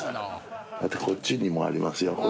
こっちにもありますよ。